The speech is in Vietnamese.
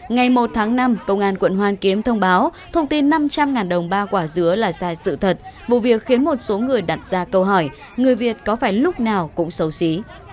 ngày một tháng năm công an quận hoàn kiếm thông báo thông tin năm trăm linh đồng ba quả dứa là sai sự thật vụ việc khiến một số người đặt ra câu hỏi người việt có phải lúc nào cũng xấu xí